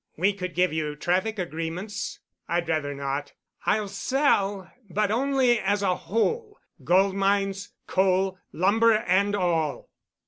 "We could give you traffic agreements." "I'd rather not. I'll sell—but only as a whole—gold mines, coal, lumber, and all."